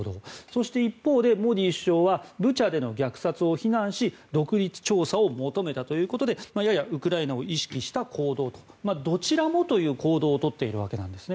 そして、一方でモディ首相はブチャでの虐殺を非難し独立調査を求めたということでややウクライナを意識した行動とどちらもという行動を取っているわけです。